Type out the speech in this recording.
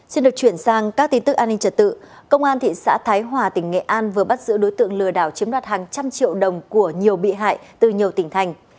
xin được chuyển sang các tin tức an ninh trật tự công an thị xã thái hòa tỉnh nghệ an vừa bắt giữ đối tượng lừa đảo chiếm đoạt hàng trăm triệu đồng của nhiều bị hại từ nhiều tỉnh thành